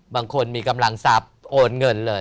บางคนมีกำลังทรัพย์โอนเงินเลย